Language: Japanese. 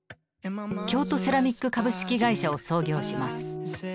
京都セラミック株式会社を創業します。